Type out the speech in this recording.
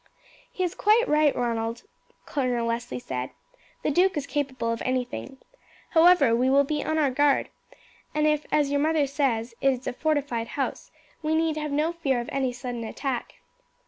"He is quite right, Ronald," Colonel Leslie said. "The duke is capable of anything. However, we will be on our guard, and if, as your mother says, it is a fortified house, we need have no fear of any sudden attack."